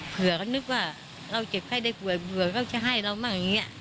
เผื่อเขานึกว่าเราเจ็บไข้ได้ป่วยเผื่อเขาจะให้เรามั่งอย่างนี้